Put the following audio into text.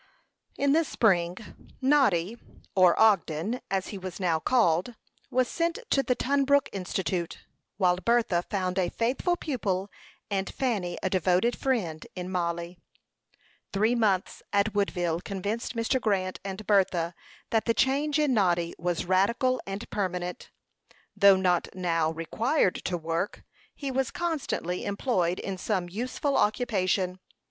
In the spring, Noddy, or Ogden, as he was now called, was sent to the Tunbrook Institute; while Bertha found a faithful pupil, and Fanny a devoted friend, in Mollie. Three months at Woodville convinced Mr. Grant and Bertha that the change in Noddy was radical and permanent. Though not now required to work, he was constantly employed in some useful occupation.